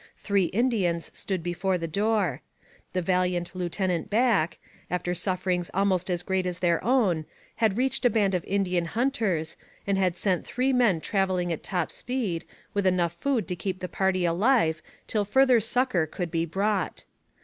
Three Indians stood before the door. The valiant Lieutenant Back, after sufferings almost as great as their own, had reached a band of Indian hunters and had sent three men travelling at top speed with enough food to keep the party alive till further succour could be brought.